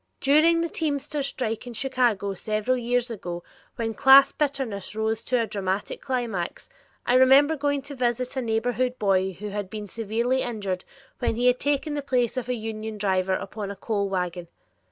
During the teamsters' strike in Chicago several years ago when class bitterness rose to a dramatic climax, I remember going to visit a neighborhood boy who had been severely injured when he had taken the place of a union driver upon a coal wagon.